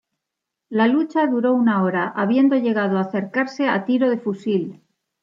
La lucha duró una hora, habiendo llegado a acercarse a tiro de fusil.